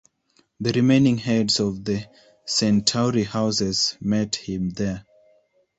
The remaining heads of the Centauri houses met him there.